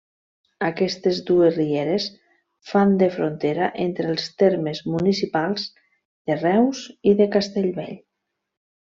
Aquestes dues rieres fan de frontera entre els termes municipals de Reus i de Castellvell.